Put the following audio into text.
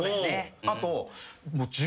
あと。